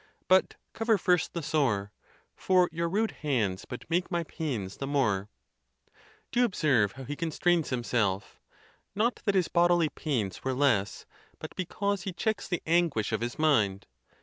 but cover first the sore ; For your rvde hands but make my pains the more. Do you observe how he constrains himself? not that his bodily pains were less, but because he checks the anguish of his mind.